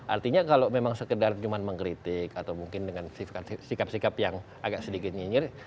artinya kalau memang sekedar cuma mengkritik atau mungkin dengan sikap sikap yang agak sedikit nyinyir